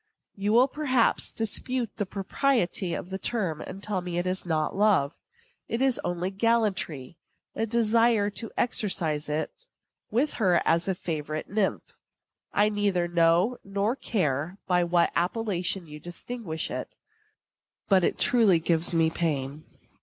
You will perhaps dispute the propriety of the term, and tell me it is not love it is only gallantry, and a desire to exercise it with her as a favorite nymph. I neither know nor care by what appellation you distinguish it; but it truly gives me pain.